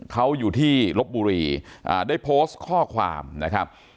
เขาอยู่ที่ลบบุรีได้โพสต์ข้อความนะครับ